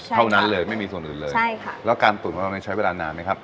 เท่านั้นเลยไม่มีส่วนอื่นเลยใช่ค่ะแล้วการตุ๋นของเราเนี่ยใช้เวลานานไหมครับ